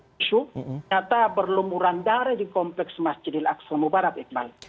ternyata berlumuran darah di kompleks masjidil aqsa mubarak iqbal